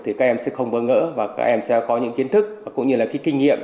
thì các em sẽ không vỡ ngỡ và các em sẽ có những kiến thức cũng như là kinh nghiệm